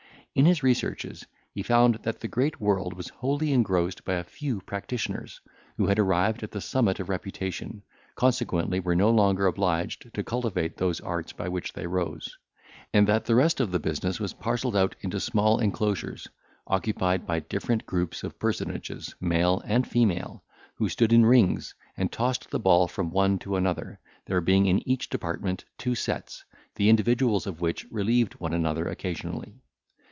In his researches, he found that the great world was wholly engrossed by a few practitioners who had arrived at the summit of reputation, consequently were no longer obliged to cultivate those arts by which they rose; and that the rest of the business was parcelled out into small enclosures, occupied by different groups of personages, male and female, who stood in rings, and tossed the ball from one to another, there being in each department two sets, the individuals of which relieved one another occasionally.